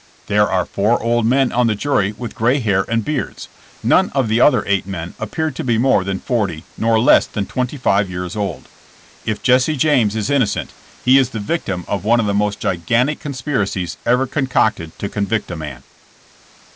There are four old men on the jury with gray hair and beards. None of the other eight men appear to be more than forty nor less than twenty five years old. *'If Jesse James is innocent, he is the victim of one of the most gigantic conspiracies ever concocted to convict a man.